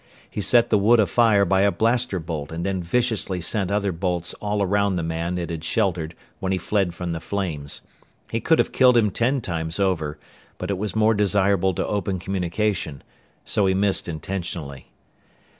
He set the wood afire by a blaster bolt and then viciously sent other bolts all around the man it had sheltered when he fled from the flames. He could have killed him ten times over, but it was more desirable to open communication. So he missed intentionally.